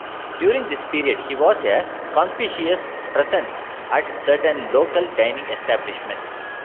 During this period, he was a conspicuous presence at certain local dining establishments.